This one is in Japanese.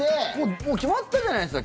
もう決まってるじゃないですか。